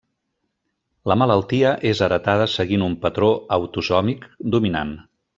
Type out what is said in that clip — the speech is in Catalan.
La malaltia és heretada seguint un patró autosòmic dominant.